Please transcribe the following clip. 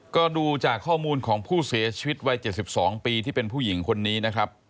ก็ดูจากข้อมูลของผู้เสียชีวิตวัย๗๒ปีที่เป็นผู้หญิงคนนี้นะครับ